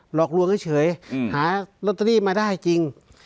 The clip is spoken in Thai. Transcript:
หลอกลวงเฉยหาลอตเตอรี่มาได้จริง